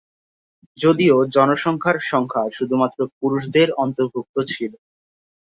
যদিও জনসংখ্যার সংখ্যা শুধুমাত্র পুরুষদের অন্তর্ভুক্ত ছিল।